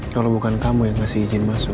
kalau bukan kamu yang ngasih izin masuk